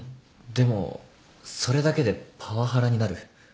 でもそれだけでパワハラになる？